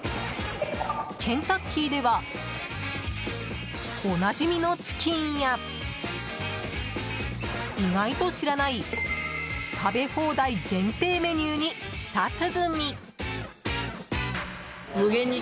ケンタッキーではおなじみのチキンや意外と知らない食べ放題限定メニューに舌つづみ。